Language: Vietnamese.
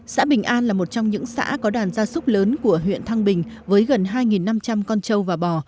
xã bình an là một trong những xã có đàn gia súc lớn của huyện thăng bình với gần hai năm trăm linh con trâu và bò